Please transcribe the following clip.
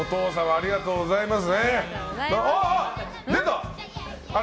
ありがとうございます。